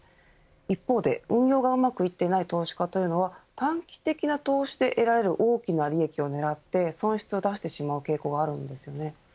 一方で運用がうまくいっていない投資家というのは短期的な投資で得られる大きな利益を狙って損失を出してしまう傾向があるんですよね。